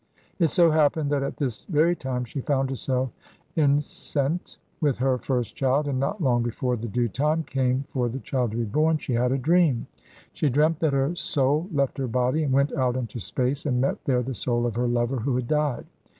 It so happened that at this very time she found herself enceinte with her first child, and not long before the due time came for the child to be born she had a dream. She dreamt that her soul left her body, and went out into space and met there the soul of her lover who had died.